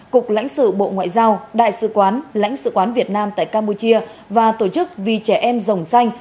cục lãnh sự bộ ngoại giao đại sứ quán lãnh sự quán việt nam tại campuchia và tổ chức vì trẻ em rồng xanh